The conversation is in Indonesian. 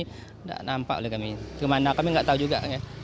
tidak nampak oleh kami kemana kami tidak tahu juga